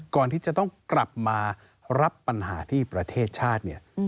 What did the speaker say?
ก่อนที่จะต้องกลับมารับปัญหาที่ประเทศชาติเนี่ย